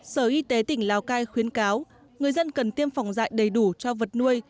sở y tế tỉnh lao cai khuyến cáo người dân cần tiêm phòng dại đầy đủ cho vật nuôi